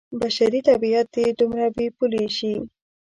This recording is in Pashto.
بشري طبعیت دې دومره بې پولې شي.